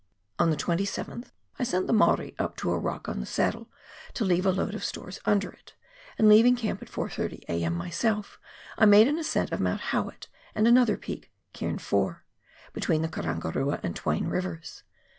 On the 27th I sent the Maori up to a rock on the saddle, to leave a load of stores under it, and leaving camp at 4.30 a.m. myself, I made an ascent of Mount Howitt, and another peak, " Cairn lY." between the Karangarua and Twain Rivers.